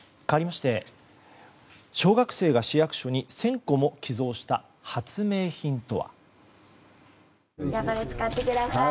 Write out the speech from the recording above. かわりまして、小学生が市役所に１０００個も寄贈した発明品とは？